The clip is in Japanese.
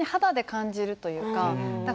本当に肌で感じるというか。